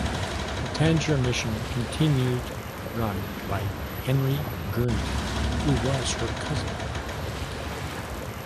The Tangier mission continued run by Henry Gurney who was her cousin.